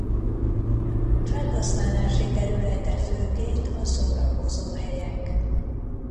Felhasználási területe főként a szórakozóhelyek.